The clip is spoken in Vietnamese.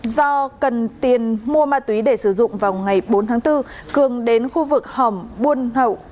do cần tiền mua ma túy để sử dụng vào ngày bốn tháng bốn cường đến khu vực hòm buôn hậu